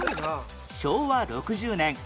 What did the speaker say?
昭和６０年